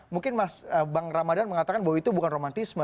mungkin bang ramadan mengatakan bahwa itu bukan romantisme